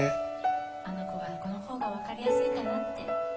あの子がこの方がわかりやすいかなって